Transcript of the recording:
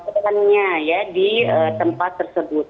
pembeliannya ya di tempat tersebut